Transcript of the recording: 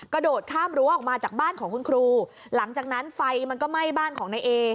กระโดดข้ามรั้วออกมาจากบ้านของคุณครูหลังจากนั้นไฟมันก็ไหม้บ้านของนายเอ